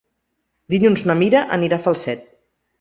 Dilluns na Mira anirà a Falset.